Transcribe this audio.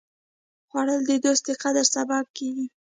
خوړل د دوست د قدر سبب کېږي